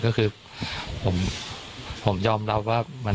ก็คือผมยอมรับว่า